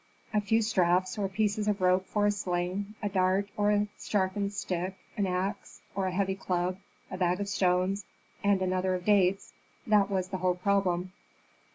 A few straps, or pieces of rope for a sling, a dart or a sharpened stick, an axe, or a heavy club, a bag of stones, and another of dates, that was the whole problem.